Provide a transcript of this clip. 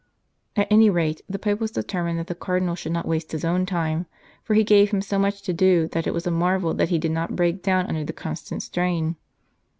At any rate, the Pope was determined that the Cardinal should not waste his own time, for he gave him so much to do that it was a marvel that he did not break down under the constant strain.